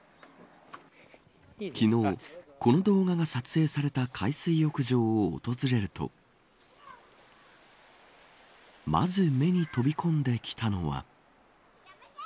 昨日、この動画が撮影された海水浴場を訪れるとまず目に飛び込んできたのは。